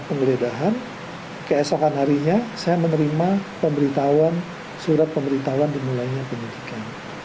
penggeledahan keesokan harinya saya menerima pemberitahuan surat pemberitahuan dimulainya penyidikan